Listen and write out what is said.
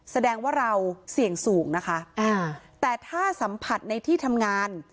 แสดงว่าเราเสี่ยงสูงนะคะอ่าแต่ถ้าสัมผัสในที่ทำงาน